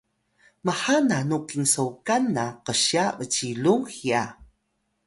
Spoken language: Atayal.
mha nanu kinsokan na qsya bcilung hya?